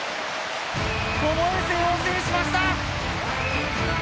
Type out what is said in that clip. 巴戦を制しました！